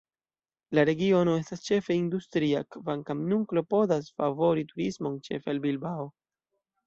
La regiono estas ĉefe industria, kvankam nun klopodas favori turismon, ĉefe al Bilbao.